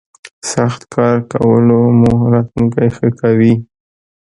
سخت کار کولو مو راتلوونکی ښه کوي.